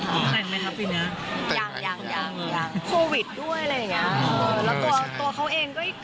แปลงไหมครับปีนี้